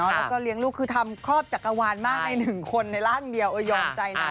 แล้วก็เลี้ยงลูกคือทำครอบจักรวาลมากในหนึ่งคนในร่างเดียวเออยอมใจนะ